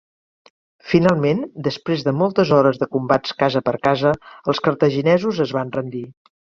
Finalment, després de moltes hores de combats casa per casa, els cartaginesos es van rendir.